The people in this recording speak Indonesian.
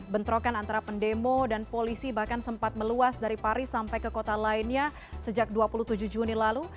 bentrokan antara pendemo dan polisi bahkan sempat meluas dari paris sampai ke kota lainnya sejak dua puluh tujuh juni lalu